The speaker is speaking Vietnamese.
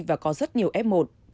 và có rất nhiều f một